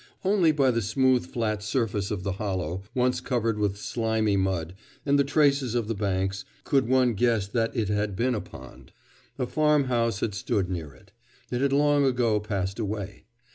Only by the smooth flat surface of the hollow, once covered with slimy mud, and the traces of the banks, could one guess that it had been a pond. A farm house had stood near it. It had long ago passed away.